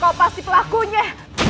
kau pasti pelakunya